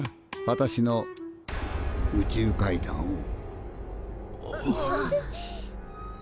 私の宇宙怪談を。